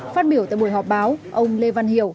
phát biểu tại buổi họp báo ông lê văn hiểu